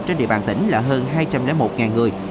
trên địa bàn tỉnh là hơn hai trăm linh một người